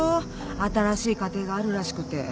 新しい家庭があるらしくて。